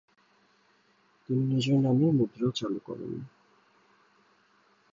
তিনি নিজের নামে মুদ্রা চালু করেন।